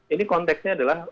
ini konteksnya adalah